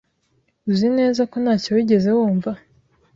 Uzi neza ko ntacyo wigeze wumva?